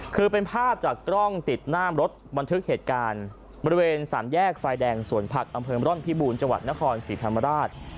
คือเป็นภาพจากกล้องติดหน้ามรถบันทึกเหตุการณ์บริเวณสามแยกไฟแดงสวนผักอำเภอมร่อนพิบูรณ์จังหวัดนครศรีธรรมราช